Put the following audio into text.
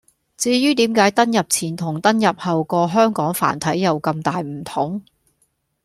至於點解登入前同登入後個「香港繁體」有咁大唔同